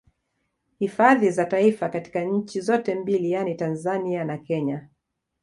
Hifadhi za Taifa katika nchi zote mbili yani Tanzania na Kenya